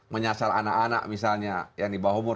menyasar anak anak misalnya yang di bawah umur